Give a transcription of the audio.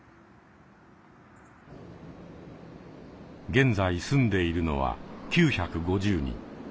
現在住んでいるのは９５０人。